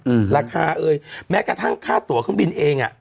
อืมราคาเอ่ยแม้กระทั่งค่าตัวเครื่องบินเองอ่ะ